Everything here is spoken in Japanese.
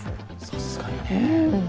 さすがにね。